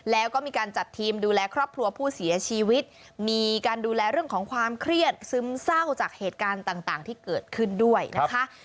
แล้วก็มีการจัดทีมดูแลครอบครัวผู้เสียชีวิตมีการดูแลเรื่องของความเครียดซึมเศร้าจากเหตุการณ์ต่างที่เกิดขึ้นด้วยนะคะ